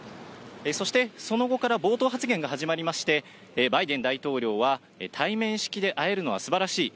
そして、その後から冒頭発言が始まりまして、バイデン大統領は、対面式で会えるのはすばらしい。